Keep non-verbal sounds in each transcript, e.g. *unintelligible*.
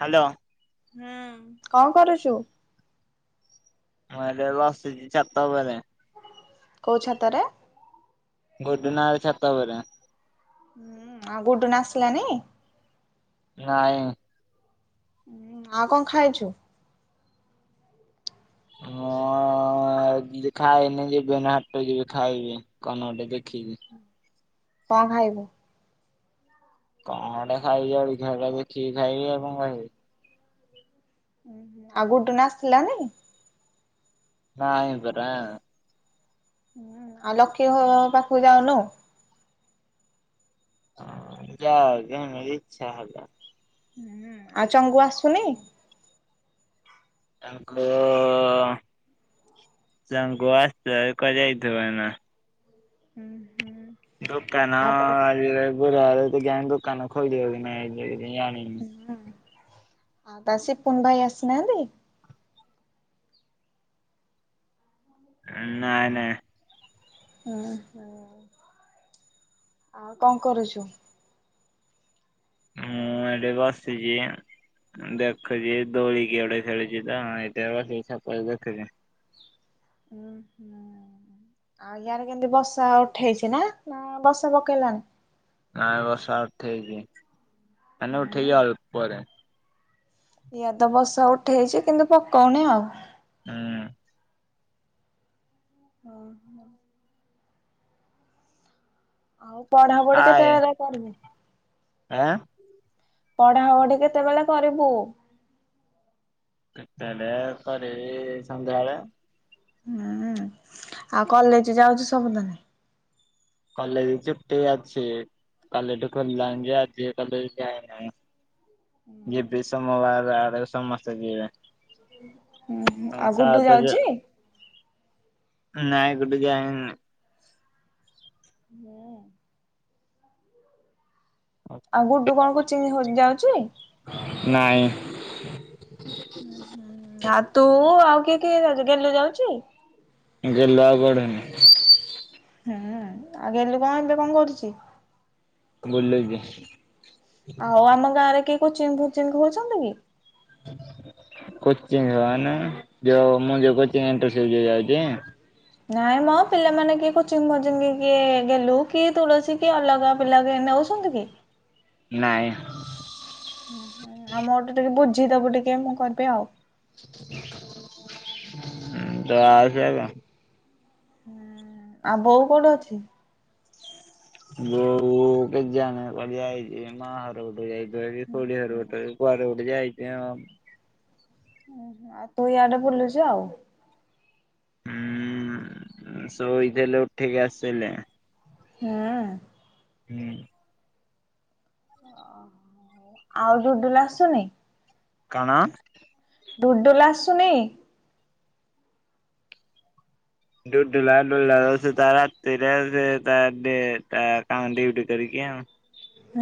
Hello. ହୁଁ କଣ କରୁଚୁ? ମୁଁ ଏଇନେ ବସିଛି ଛାତ ଉପରେ। କେଉଁ ଛାତରେ? *unintelligible* ଭାଇ ଛାତ ଉପରେ। ହୁଁ ଆଉ ଗୋଡୁନ ଆସିଲାନି? ନାଇଁ। ଆଉ କଣ ଖାଇଚୁ? ହଁ କିଛି ଖାଇନି ଯିବି ଏଇନା ହାଟକୁ ଯିବି ଖାଇବି କଣ ଗୋଟେ ଦେଖିକି। କଣ ଖାଇବୁ? କଣ ଗୋଟେ ଖାଇବି ଆଉ ମିଠା ଫିଠା ଦେଖିକି ଖାଇବି ଆଉ କଣ ଖାଇବି। ଉଁ ଆଉ ଗୋଟେ ନା ଆସିଥିଲାାନାଇ *unintelligible* ନାଇଁ ପରା। ଆଉ ଲକି ଘର ପାଖକୁ ଯାଉନୁ? ଯାଅ ଜଣ *unintelligible* ଇ୍ଛା ହେଲା। ଆଉ ଚଙ୍ଗୁ ଆସୁନି? ଚଙ୍ଗୁ ଚଙ୍ଗୁ ଆଶିଥିବ ଯଦି କୁଆଡେ ଯାଇଥିବ। ହୁଁ ହୁଁ *inaudible* ଦୁକାନ ଆଜି ଗୁରୁ ବାର କିଆଁ ଦୁକାନ ଖୋଲିବ କି ନାଇଁ ଜାଣିନି। ତା ସିପୁନ୍ ଭାଇ ଆସିନାହାନ୍ତି? ନାଇଁ ନାଇଁ। ହୁଁ ଆଉ କଣ କରୁଚୁ? ମୁଁ ଏଠେ ବସିଛି। ଦେଖୁଛି ଦୋଳିି କିଏ ଗୋଟେ ଖେଳୁଛି ତ ଏଇଠି ବସିକି ଚ୍ଛାତରେ ଦେଖୁଛି। ହୁଁ ହୁଁ *inaudible* ଆଉ ୟାରେ କେମିତି ବସା ଉଠେଇଛି ନା? ନା ବସା ପକେଇଲାଣି। ଆଉ ବର୍ଷା ଉଠେଇଚି ହେଲେ ଉଠେଇକି ଅଳ୍ପ ଇଆଡ଼େ ତ ବର୍ସା ଉଠେଇଛି କିନ୍ତୁ ପକୋଉନି ଆଉ। ହୁଁ। ଓ ହୋ *inaudible* ଆଉ ପଢାପଢି କେତେ କାଏ ଯାଏଁ? ଆଁ *inaudible* ପଢାପଢି କେତେବେଳେ କରିବୁ? ଏଇନେ ସରିକି ସନ୍ଧ୍ୟାଓଳୁ। ହୁଁ ଆଉ କଲେଜ ଯାଉଛି ସବୁଦିନ? କଲେଜ ଚୁଟି ଅଛି। କାଲିଠୁ ଖୋଲିଲାଣୀଜେ ଆଜି ଯାଏ କଲେଜ ଯାଇନୁ। ଯିବି ସୋମବାରେ ଆଡେ ସମସ୍ତେ ଯିବେ। ହୁଁ ହୁଁ ହଁ ଆଉ ଗୁଡୁ ସାତ ଯାଉଛି ହଜାର। ନାଇଁ ଗୁଡୁ ଯାଇନି। ହୁଁ *inaudible* ଆ ଗୁଡୁ କଣ କୋଚିଂ ହୋ ଯାଉଚି? ନାଇଁ। ଆ ତୁ ଆଉ କିଏ କିଏ ଯାଉଛ ଗେଲୁ ଯାଉଚି? ଗେଲୁ ଆଉ ଗଡୁନି। ଆଉ ଗେଲୁ କଣ ଏବେ କଣ କରୁଚି? ବୁଲିଲଛି *unintelligible* ଆଉ ଆମ ଗାଁ ରେ କିଏ କୋଚିଙ୍ଗ ଫୋଚିଂ ହୋଉଚନ୍ତି? ହ ଯ ମୁଁ ଯାଉଛି *unintelligible* ନାଇଁ ମ ପିଲାମାନେ କିଏ କୋଚିଙ୍ଗ ଫୋଚିଂ କିଏ ଗେଲୁ କି ତୁଳସି କି ଅଲଗା ପିଲା କିଏ ନୋଉ ଆସନ୍ତୁ କି *inaudible* ନାଇଁ। ଆମ ଟା ଟିକେ ବୁଝିଦବୁ ଟିକେ ମୁଁ କରିବି। ତୁ ଆସେ। ହୁଁ ଆଉ ବୋଉ କୋଉଠି ଅଛି? ବୋଉ କେତେ ଜଣେ କଳିଆ ହେଇଛି ମା ଘର ଗୋଟକୁ ଯାଇଥିବ କି ଖଉଡି ଘର ଗୋଟରେ *unintelligible* କୁଆଡେ ଗୋଟେ ଯାଇଚି ଆଉ। ଓ ଆଉ ତୁ ଇଆଡେ ବୁଲୁଚୁ ଆଉ। ହୁଁ ଶୋଇଥିଲି ଉଠିକି ଆସିଲି। ହୁଁ। ହୁଁ। ଆଉ ଡୁଡୁଲୁ ଆସୁନି? କଣ? ଡୁଡୁଲୁ ଆସୁନି? ଡୁଡୁଲୁ ଆ ସେ ତା ରାତିରେ ସେ ତା କାମ ଡିଉଟି କରିକି ଆଉ।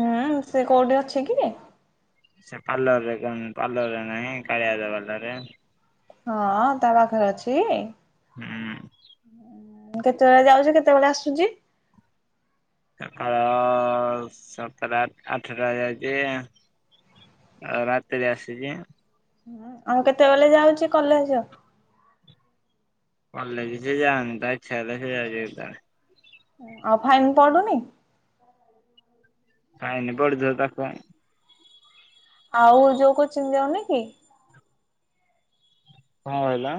ହୁଁ ସେ କୋଉଠି ଅଛି କି? ସେ ପାର୍ଲର ରେ କାଁ ପାର୍ଲର ରେ ନାହିଁ କାଳିଆ ଦା ପାର୍ଲରେ। ହଁ ତା ପାଖରେ ଅଛି। ହୁଁ। ହୁଁ କେତେବେଳେ ଯାଉଚି କେତେବେଳେ ଆସୁଚି ସକାଳ ସତଟା ଆଠଟା ଯାଉଚି ଆଉ ରାତିରେ ଆସିଚି। ଆଉ କେତେବେଳେ ଯାଉଚି କଲେଜ? କଲେଜ ସେ ଯାଉନି ତା ଇଚ୍ଛା ହେଲେ ସେ ଯାଉଚି କେତେବେଳେ। ଆଉ ଫାଇନ୍ ପଡୁନି? ଫାଇନ୍ ପଡୁଥିବ ତାକୁ। ଆଉ ଯୋଉ କୋଚିଂ ଯାଉନି କି? କଁ ହେଲା?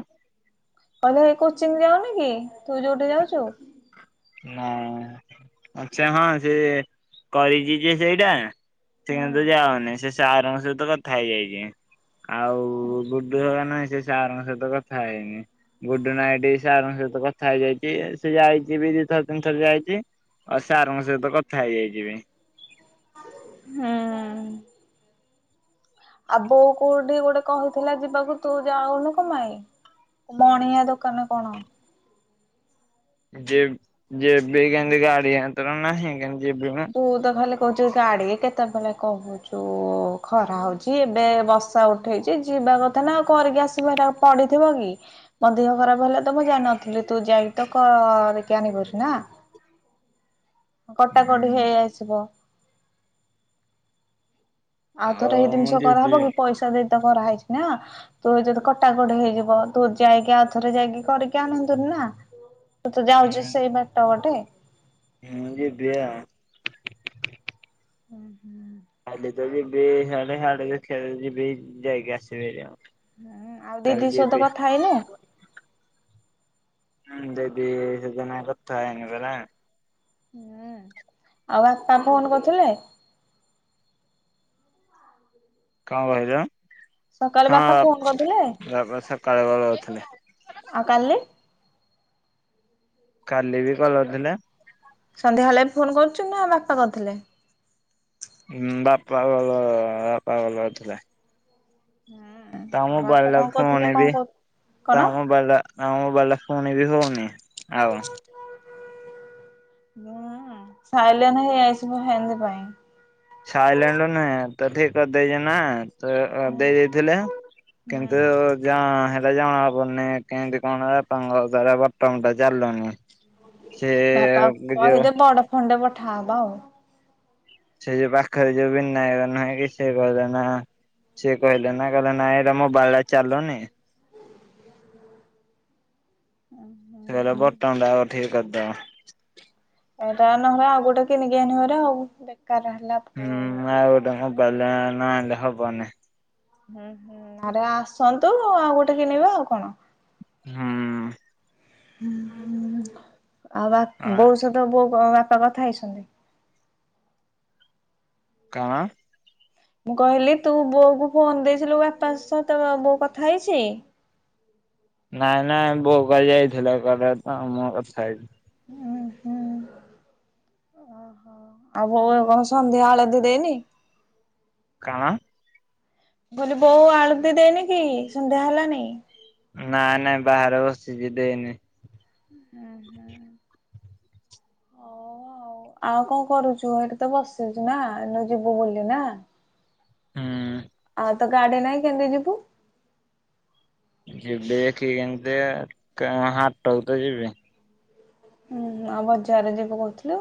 କହିଲି ହେ କୋଚିଂ ଯାଉନି କି ତୁ ଯୋଉଠି ଯାଉଚୁ? ନା ଆଛା ହଁ ସେ କରିଚି ଯେ ସେଇଟା ସେ ହୁଁ କିନ୍ତୁ ଯାଉନି ସେ ସାରଙ୍କ ସହିତ କଥା ହେଇଯାଇଚି। ଆଉ ଗୁଡ଼ୁ ହେକା ନାଇଁ ସେ ସାରଙ୍କ ସହ କଥା ହେଇନି। ଗୁଡ ନାଇଟ୍ ସାର ଙ୍କ ସହିତ କଥା ହେଇଯାଇଚି ସେ ଯାଇଚି ବି ଥର ତିନିଥର ଯାଇଚି ଆଉ ସାର୍ ଙ୍କ ସହିତ କଥା ହେଇଯାଇଚି ବି। ହୁଁ। ଆ ବୋଉ କୋଉଠି ଗୋଟେ କହିଥିଲା ଯିବାକୁ ତୁ ଯାଉନୁ କମ୍ପାଇ? ମଣିଆ ଦୋକାନ କଣ। ଯେ ଯିବି କେନ୍ତି ଗାଡ଼ି ହାତର ନାହିଁ କେନ୍ତି ଯିବି ମ। ତୁ ତ ଖାଲି କହୁଚୁ ଗାଡି କେତେବେଳେ କହୁନି ଯଉ ଖରା ହଉଚି ଏବେ ବର୍ଷା ଉଠେଇଚି ଯିବା କଥା ନା କରିକି ଆସିବୁ ହେରା ଆଉ। ପଡ଼ିିଥିବ କି? ମୋ ଦେହ ଖରାପ ହେଲା ତ ମୁଁ ଜାନଥିଲି ତୁ ଯାଇକି ତ କରିକି ଆଣିିବାରୁ ନା। କଟାକଟି ହେଇ ଆସିବ। ଆଉ ଥର ଏଇ ମୁଁ ଜିନିଷ ଯିବି କରାହବ କି ପଇସା ଦେଇ ତ କରାହେଇଚି ନା। ତୁ ଯଦି କଟାକଟି ହେଇଯିବ ତୁ ଯାଇକି ଆଉଥରେ ଯାଇକି କରିକି ଆଣନ୍ତୁନି ନା। ତ ତୁ ଯାଉଚୁ ସେଇ ବାଟ ପଟେ। ହଁ ଯିବି ଆଉ। ହୁଁ ହୁଁ। ହେଇ ଯୋଉ ଯିବି ହିଆଡେ ହିଆଡେ ଦେଖିଆ ଯୋଉ ଯିବି ଯାଇକି ଆସିବି ହାରି ଆଉ। ହୁଁ ଆଉ ଦି କାଲି ଦି ସହିତ ଯିବି କଥା ହେଇନୁ? ହୁଁ ଦିଦି ସେଦିନ କଥା ହେଇନି ପରା। ହୁଁ, ଆଉ ବାପା ଫୋନ କରୁଥିଲେ? କଣ କହିଲ? ସକାଳେ ବାପା ଫୋନ ହଁ, କରିଥିଲେ *unintelligible* ସକାଳ ବେଳେ ଉଠିଲି। ଆଉ କାଳେ କାଲି ବି କଲ୍ କରିଥିଲା? ସନ୍ଧ୍ୟା ହେଲେ ବି ଫୋନ କରୁଛୁ ନା ବାପା କରିଥିଲେ? ହୁଁ, ବାପା ଭଲ ବାପା ଭଲ ହଉଥିଲା। ହୁଁ। ତା ଆଉ ବାପା ମୋବାଇଲ୍ ଟାକୁ କଣ କରୁଥିଲେ ନେବି? କରୁ କଣ? ତା ମୋବାଇଲ୍ ଟା ଆ ମୋବାଇଲ୍ ଟା ପୁଣି ବି ଦଉନି ଆଉ ହଁ, ସାଇଲେଣ୍ଟ ହେଇଯାଇଛି ମୁଁ ଜାଣିନି କାଇଁ। ସାଇଲେଣ୍ଟ ନୁହେଁ ତ ଠିକ୍ କରିଦେଇଛ ନା ତ ହୁଁ ଦେଇ ଦେଇଥିଲେ ହୁଁ କିନ୍ତୁ ଯା ହେଲେ ଜଣା ପଡ଼ୁନି କେମିତି କଣ ବାପାଙ୍କ ଦ୍ଵାରା ତମେ ତ ଜାଣିଲଣି ବାପା କହିଦେ ବଡ ଫୋନ୍ ଟେ ପଠାହବ ଆଉ। ସେ ଯୋଉ ପାଖରେ ଯୋଉ ବିନାୟକ ନୁହେଁ କି ସେ କହଦେ ନା ସିଏ କହିଲେ ନା କହିଲେ ନା ଏଇଟା ମୋ ବାଲାଇଟ୍ ଟା ଚାଲୁନି ଓହୋ। *unintelligible* ବଟମ ଟା ଠିକ୍ କରିଦବ। ଏଇଟା ନହେଲେ ଆଉ ଗୋଟେ କିଣିକି ଆଣିବି ହାରି ଆଉ ବେକାର ହେଲା। ପୁଅ ହୁଁ, ଆଉ ଇଏଟା ଗୋଟେ ନା କି? ମୋବାଇଲ ନ ଆଣିଲେ ହବନି। ହୁଁ, ହୁଁ ଆରେ ଆସନ୍ତୁ ଆଉ ଗୋଟେ କିଣିବା ଆଉ କଣ। ହୁଁ। ହଁ ଆଉ ବା ବୋଉ ସହିତ ବୋଉ ବାପା କଥା ହେଇଛନ୍ତି? କଣ? ମୁଁ କହିଲି ତୁ ବୋଉ କୁ ଫୋନ ଦେଇଥିଲୁ ବାପା ସହ କେ ବୋଉ କଥା ହେଇଛି? ନାଇଁ ନାଇଁ ବୋଉ କାଲି ଯାଇଥିଲା କୁଆଡ଼େ ତ ମୋ କଥା ହେଇଛିି। ହୁଁ, ହୁଁ। ଓ ଆଉ ବୋଉ ଆଉ କଣ ସନ୍ଧ୍ୟା ଆଳତୀ ଦେଇନି? କଣ? ମୁଁ କହିଲି ବୋଉ ଆଳତୀ ଦେଇନି କି ସନ୍ଧ୍ୟା ହେଲାନି? ନାଇଁ, ନାଇଁ ବାହାରେ ବସିଛି ଦେଇନି। ହୁଁ, ହୁଁ। ହଉ ଆଉ ଆଉ କଣ କରୁଛୁ ଏଠି ତ ବସିଛୁ ନା ଏଇନୁ ଯିବୁ ବୋଲି ନା। ହୁଁ। ଆଉ ତ ଗାଡ଼ି ନାଇଁ କେମିତି ଯିବୁ? ଯିବି ଦେଖିକି କେମିତି କା ହାଟକୁ ତ ଯିବି। ହୁଁ, ଆଉ ବଜାରରେ ଯିବୁ କହୁଥିଲୁ।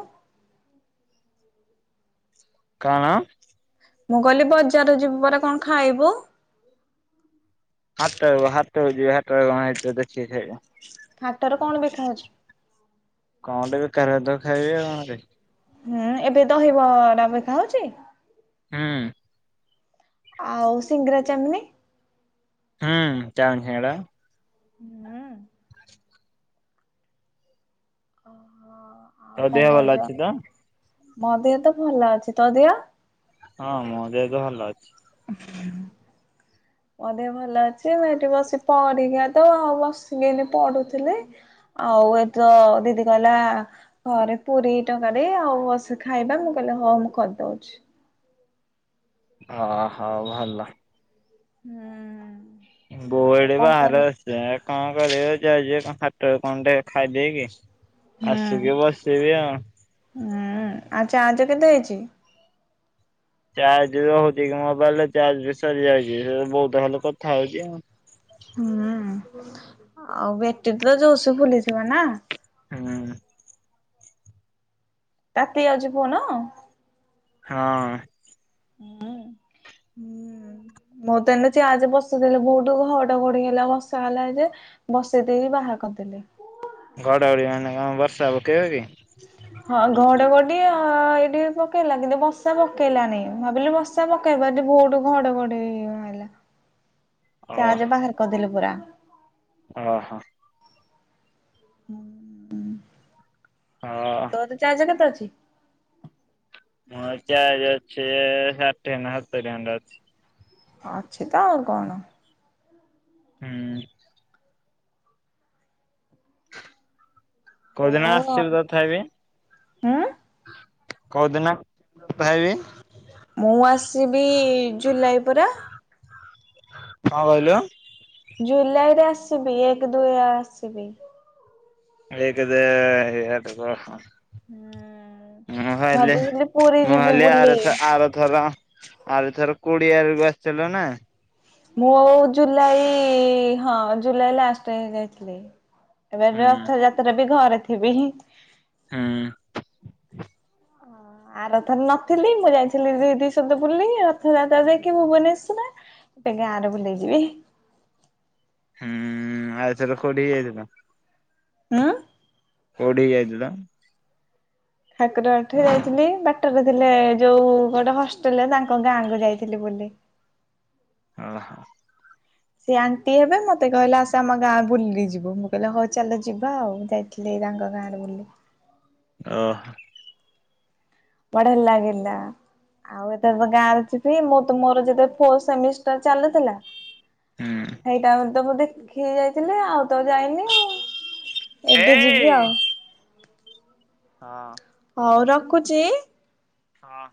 କଣ? ମୁଁ କହିଲି ବଜାର ଯିବୁ ପରା କଣ ଖାଇବୁ? ହାଟ *unintelligible* କଣ ହେଇଥିବ ଦେଖିକି ଖାଇବି। ହାଟରେ କଣ ବିକା ହଉଛି? କଣ ଟେ ବିକା ଯାଉଥିବ ଖାଇବି ଆଉ କଣରେ। ହୁଁ, ଏବେ ଦହିବରା ବିକା ହଉଛି? ହୁଁ। ଆଉ ସିଙ୍ଗଡ଼ା, ଚାଉମିନ୍? ହୁଁ ଚାଛଡା ହୁଁ। ଓହୋ ଆଉ ତୋ କଣ ଦେହ ଭଲ କରୁଚ ଅଛି ତ? ମୋ ଦିଅ ତ ଭଲ ଅଛି ତୋ ଦିଅ? ହଁ ମୋ ଦେହ ଭଲ ଅଛି। ଆ *inaudible* ମୋଦେହ ଭଲ ଅଛି ମୁଁ ଏଇଠି ବସି ପରିୟ୍ଯା ତ ଆଉ ବସିକିନି ପଢୁଥିଲି। ଆଉ ଏ ତ ଦିଦି କହିଲା ଘରେ ପୁରୀ ଟଙ୍କାରି ଆଉ ବସ ଖାଇବା ମୁଁ କହିଲେ ହଁ ମୁଁ କରିଦଉଛି। ହ ହୋ ଭଲ। ହୁଁ। ଆଉ ଗୋଡି କଣ କରୁ ବାହାରେ ଆ *unintelligible* ସ କଣ କରିବ ଯା ହାଟ କଣ ଟିକେ ଖାଇଦେଇକି ହୁଁ ଆସିକି ବସିବି ଆଉ। ହୁଁ ଆଚ୍ଛା ଚାଜ୍ କେତେ ହେଇଚି? ଚାର୍ଜ ବି ହଉଚି କି ମୋବାଇଲରେ ଚାର୍ଜ ବି ସରିଯାଇଚି ସେ ବହୁତ ଭଲ କଥା ହଉଚି ଆଉ। ହୁଁ ଆଉ ବେଟି ତ ଜୋ *unintelligible* ସ ଫୁଲିଥିବ ନା ହୁଁ। ତାତି ଯାଉଚି ଫୋନ? ହଁ। ହୁଁ ହୁଁ। ମୋରତ ଏଇନା ଚାଜ୍ ବସିଦେଲେ ବହୁତ ଘଟ ଘଡିଲା ବର୍ଷା ହେଲା ଯେ। ବସେଇ ଦେଇକି ବାହାର କରିଦେଲେ। ଘଡଘଡି ମାନେ କଣ ବର୍ଷା ପକେଇବ କି? ହଁ ଘଡି ଘଡି ଏଇଠି ପକେଇଲା କିନ୍ତୁ ବସା ପକେଇଲା ନହି ଭାବିଲୁ ବ ର୍ଷା ପକେଇବା ଏଟି ବହୁତ ଘଡଘଡି ମାରିଲା ତାଜ୍ ବାହାର କରିଦେଲୁ ପୁରା। ଓ ହୋ। ହୁଁ ହୁଁ। ହଁ। ତ ତେ ଚଜ୍ କେତେ ଅଛି? ମୋ ଚାର୍ଜ ଅଛି ଷାଠିଏ ନା ସତୁରି ଖଣ୍ଡେ ଅଛି। ଅଛି ତ ଆଉ କଣ। ହୁଁ କଉଦିନ ହଉ ଆସିବ ଆଉ ତ? ତଥାପି ହୁଁ କଉଦିନ ଆସିବ ତଥାପି? ମୁଁ ଆସିବି ଜୁଲାଇ ପରା। କଣ କହିଲ? ଜୁଲାଇରେ ଆସିବି ଏକ ଦୁଇ ରେ ଆସିବି। ହଇକଦ *unintelligible* ହୁଁ। ମୁଁ କହିଲି ଭାବୁଥିଲି ପୁରୀ ମୁଁ ଯିବି କହିଲି ବୁଲି। ଆର ଥର ଆର ଥର ଆଉ ଥର କୋଡିଏ ବେଳକୁ ଆସିଥିଲ ନା। ମୁଁ ଆଉ ଜୁଲାଇ ହଁ ଜୁଲାଇ ଲାଷ୍ଟ ବେଳେ ଯାଇଥିଲି। ଏବେ ହୁଁ ରଥଯାତ୍ରା ବି ଘରେ ଥିବି। ହୁଁ ହଁ ଆରଥର ନଥିଲି ମୁଁ ଯାଇଥିଲି ଦିଦି ସହିତ ବୁଲି ରଥଯାତ୍ରା ଯାଇକି ଭୁବନେଶ୍ଵର। ଗୋଟେ ଗାଁରେ ବୁଲିଯିବି। ହୁଁ ଆଉଥର କୋଉଠି କି ଯାଇଥିଲ। ଆଁ। କୋଉଠି କି ଯାଇଥିଲ? ଠାକୁରଙ୍କ ଠି ଯାଇଥିଲି ବାଟରେ ଥିଲେ ଯୋଉ ଗୋଟେ ହଷ୍ଟେଲ ତାଙ୍କ ଗାଁକୁ ଯାଇଥିଲି ବୁଲି। ଅ ହ। ସେ ଆଣ୍ଟି ହେବେ ମତେ କହିଲେ ଆସ ଆମ ଗାଁ ବୁଲି ଯିବ ମୁଁ କହିଲି ହଉ ଚାଲ ଯିବା ଆଉ ଯାଇଥିଲି। ସେଇ ତାଙ୍କ ଗାଁରେ ବୁଲିଲି। ଓହ। ବଢିଆ ଲାଗିଲା। ଆଉ ହେତୋବେଳେ ତ ଗାଁରେ ଥିଲି ମୋର ତ ମୋର ଯେତେବେଳେ ଫୋର୍ଥ ସେମିଷ୍ଟାର ଚାଲୁଥିଲା ହୁଁ ସେଇଟା ତ ବୋଧେ ଖି ଯାଇଥିଲେି ଆଉ ତ ଯାଇନି ଆଉ। ଏବେ ଯିବି ଏଇ ଆଉ। ହଁ। ହଉ ରଖୁଛି। ହଁ।